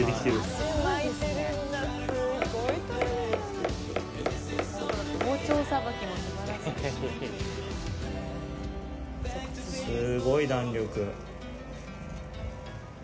すっごい弾力！